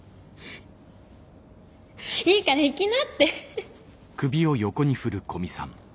いいから行きなって。